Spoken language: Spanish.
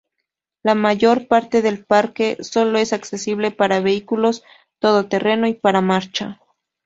La mayor parte del parque sólo es accesible para vehículos todoterreno y para marcha.